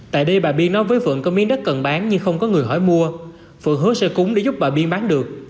tại đây bà biên nói với phượng có miếng đất cần bán nhưng không có người hỏi mua phượng hứa sẽ cúng để giúp bà biên bán được